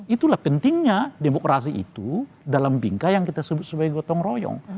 itulah pentingnya demokrasi itu dalam bingkai yang kita sebut sebagai gotong royong